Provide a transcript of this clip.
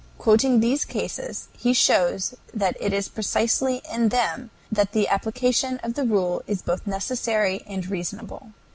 Quoting these cases, he shows that it is precisely in them that the application of the rule is both necessary and reasonable.